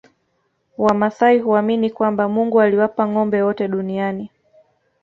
Wamasai huamini kwamba Mungu aliwapa ngombe wote duniani